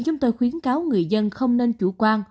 chúng tôi khuyến cáo người dân không nên chủ quan